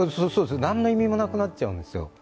何の意味もなくなっちゃうんですよ。